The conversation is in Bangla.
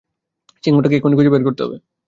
সিংহটাকে এক্ষুণি খুঁজে বের করতে হবে।